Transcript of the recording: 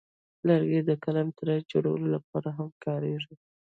لرګی د قلمتراش جوړولو لپاره هم کاریږي.